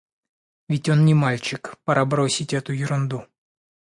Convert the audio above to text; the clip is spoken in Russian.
Ведь он не мальчик: пора бросить эту ерунду.